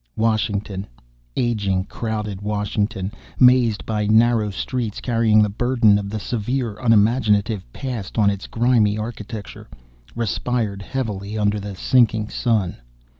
Washington aging, crowded Washington, mazed by narrow streets, carrying the burden of the severe, unimaginative past on its grimy architecture respired heavily under the sinking sun.